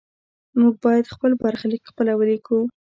موږ باید خپل برخلیک خپله ولیکو.